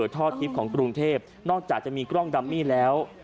ทอดทิพย์ของกรุงเทพนอกจากจะมีกล้องดัมมี่แล้ว